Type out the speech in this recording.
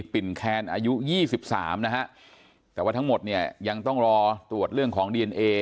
ปิ่นแคนอายุ๒๓นะฮะแต่ว่าทั้งหมดเนี่ยยังต้องรอตรวจเรื่องของดีเอนเอ